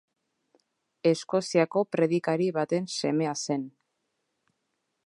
Eskoziako predikari baten semea zen.